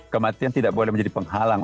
kematian tidak boleh menjadi penghalang